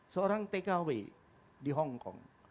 seorang tkw di hongkong